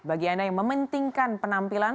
bagi anda yang mementingkan penampilan